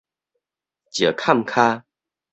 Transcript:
石崁跤